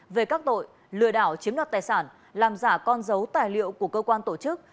về các tội lừa đảo chiếm đoạt tài sản làm giả con dấu tài liệu của cơ quan tổ chức